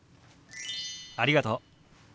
ありがとう。